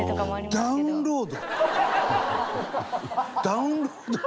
ダウンロード？